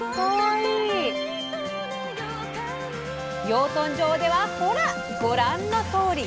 養豚場ではほらご覧のとおり！